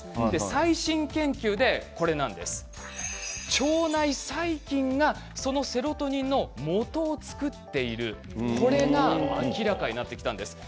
最新研究で腸内細菌がそのセロトニンのもとを作っているこれが明らかになってきたんです。